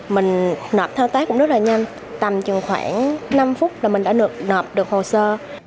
mình nợp thao tác cũng rất là nhanh tầm chừng khoảng năm phút là mình đã nợp được hồ sơ